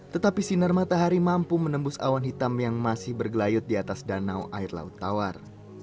tetapi sinar matahari mampu menembus awan hitam yang masih bergelayut di atas danau air laut tawar